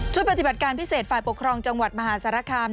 ปฏิบัติการพิเศษฝ่ายปกครองจังหวัดมหาสารคาม